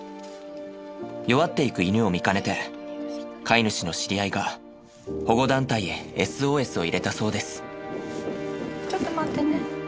弱っていく犬を見かねて飼い主の知り合いが保護団体へＳＯＳを入れたそうです。